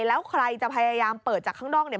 แล้วใครจะพยายามเปิดจากข้างนอกเนี่ย